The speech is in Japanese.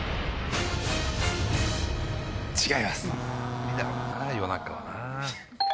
無理だろうな夜中はな。